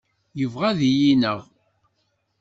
Yebɣa ad iyi-ineɣ.